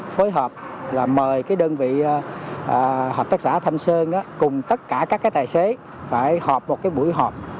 phối hợp là mời cái đơn vị hợp tác xã thanh sơn cùng tất cả các tài xế phải họp một cái buổi họp